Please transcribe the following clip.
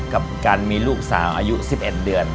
กับการมีลูกสาวอายุ๑๑เดือน